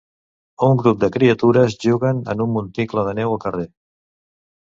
Un grup de criatures juguen en un monticle de neu al carrer.